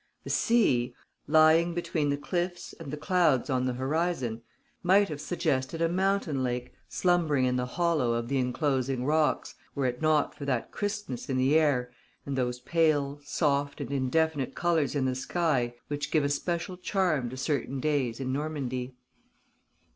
The sea, lying between the cliffs and the clouds on the horizon, might have suggested a mountain lake slumbering in the hollow of the enclosing rocks, were it not for that crispness in the air and those pale, soft and indefinite colours in the sky which give a special charm to certain days in Normandy.